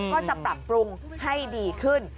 ก็จะปรับปรุงให้ดีขึ้น